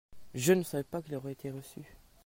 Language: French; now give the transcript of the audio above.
JE ne savais pas qu'il aurait été reçu.